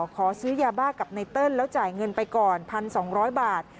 ขอซื้อยาบ้ากับไนเติ้ลแล้วจ่ายเงินไปก่อน๑๒๐๐บาท